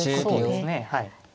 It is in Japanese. そうですねはい。